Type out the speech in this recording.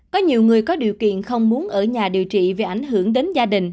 có nhiều người có điều kiện không muốn ở nhà điều trị vì ảnh hưởng đến gia đình